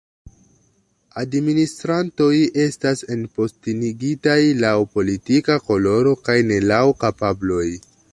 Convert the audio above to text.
Administrantoj estas enpostenigitaj laŭ politika koloro, kaj ne laŭ kapabloj.